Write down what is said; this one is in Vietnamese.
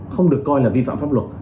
không được coi là vi phạm pháp luật